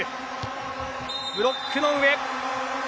ブロックの上。